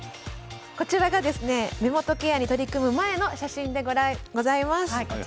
こちらが目元ケアに取り組む前の写真でございます。